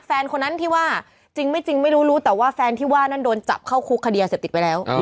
คนนั้นที่ว่าจริงไม่จริงไม่รู้รู้แต่ว่าแฟนที่ว่านั้นโดนจับเข้าคุกคดียาเสพติดไปแล้ว